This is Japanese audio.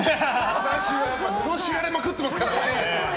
私はののしられまくってますからね！